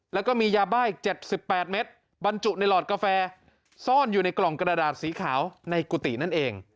แล้วก็มียาบ้าอีก๗๘เมตรบรรจุในหลอดกาแฟซ่อนอยู่ในกล่องกระดาษสีขาวในกุฏินั่นเอง